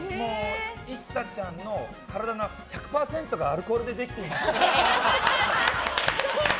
ＩＳＳＡちゃんの体の１００％がアルコールでできています。